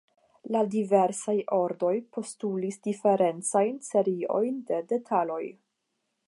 La diversaj ordoj postulis diferencajn seriojn de detaloj.